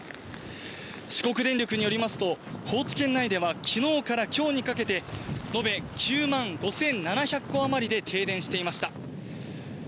四国電力によりますと、高知県内では、きのうからきょうにかけて、延べ９万５７００戸余りで停電していました。